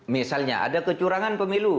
misalnya ada kecurangan pemilu